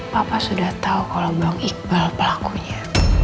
papa sudah tahu kalau bang iqbal pelakunya